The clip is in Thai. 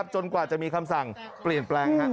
จนกว่าจะมีคำสั่งเปลี่ยนแปลง